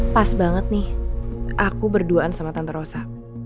pas banget nih aku berduaan sama tante rosa